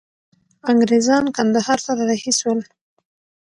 انګریزان کندهار ته را رهي سول.